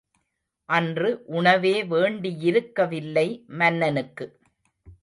அன்று உணவே வேண்டியிருக்கவில்லை மன்னனுக்கு.